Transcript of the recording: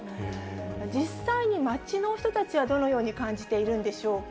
実際に街の人たちはどのように感じているんでしょうか。